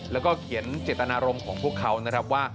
แล้วก็เขียนเจตนารมณ์ของพวกเขานะครับว่า